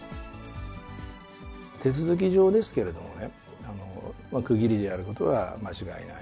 手続き上ですけれどもね、区切りであることは間違いない。